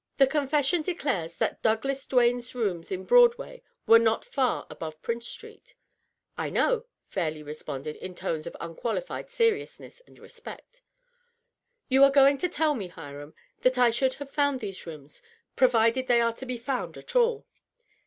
" The confession declares that Douglas Duane's rooms in Broadway were not fer above Prince Street." " I know," Fairleigh responded, in tones of unqualified seriousness and respect. " You are going to tell me, Hiram, that I should have found these rooms, provided they are to be found at all."